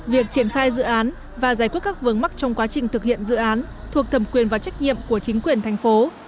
việc triển khai dự án và giải quyết các vướng mắc trong quá trình thực hiện dự án thuộc thẩm quyền và trách nhiệm của chính quyền thành phố